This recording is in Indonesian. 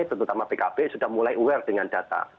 terutama pkb sudah mulai aware dengan data